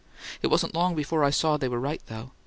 It wasn't long before I saw they were right, though.